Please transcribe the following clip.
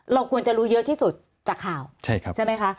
เราควรจะรู้เยอะที่สุดจากข่าวใช่ไหมคะ